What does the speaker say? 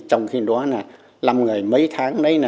trong khi đó là năm người mấy tháng đấy